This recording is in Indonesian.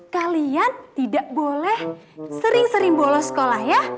kalian tidak boleh sering sering bolos sekolah ya